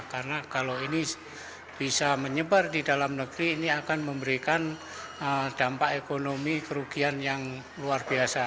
karena kalau ini bisa menyebar di dalam negeri ini akan memberikan dampak ekonomi kerugian yang luar biasa